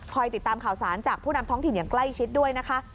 ติดตามข่าวสารจากผู้นำท้องถิ่นอย่างใกล้ชิดด้วยนะคะ